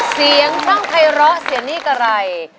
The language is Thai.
เสียงท่องไพร้รหเสียนี่กะไร